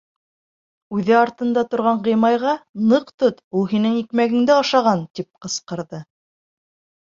Үҙе, артында торған Ғи-майға, ныҡ тот, ул һинең икмәгеңде ашаған, тип ҡысҡырҙы.